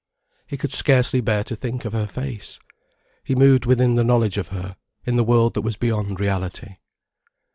He could scarcely bear to think of her face. He moved within the knowledge of her, in the world that was beyond reality.